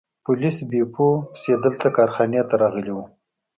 پولیس بیپو پسې دلته کارخانې ته راغلي وو.